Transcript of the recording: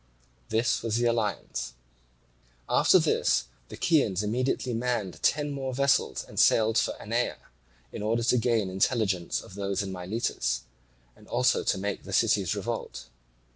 This was the alliance. After this the Chians immediately manned ten more vessels and sailed for Anaia, in order to gain intelligence of those in Miletus, and also to make the cities revolt.